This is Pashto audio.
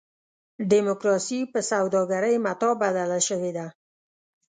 ډیموکراسي په سوداګرۍ متاع بدله شوې ده.